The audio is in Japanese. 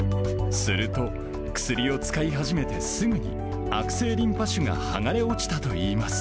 すると、薬を使い始めてすぐに、悪性リンパ腫が剥がれ落ちたといいます。